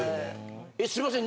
えすいません